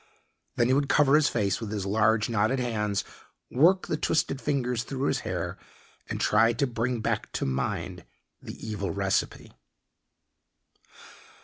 Then he would cover his face with his large, knotted hands, work the twisted fingers through his hair, and try to bring back to mind the evil recipe.